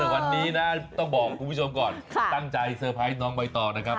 วันนี้นะต้องบอกคุณผู้ชมก่อนตั้งใจเตอร์ไพรส์น้องใบตองนะครับ